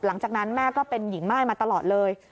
หลังจากนั้นแม่ก็เป็นหญิงม่ายมาตลอดเลย